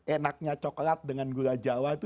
enaknya coklat dengan gula jawa itu